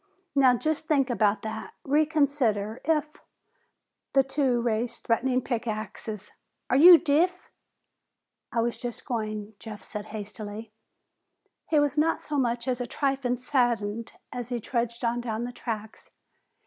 "Now just think about that! Reconsider! If " The two raised threatening pick axes. "Are you deef?" "I was just going," Jeff said hastily. He was not so much as a trifle saddened as he trudged on down the tracks.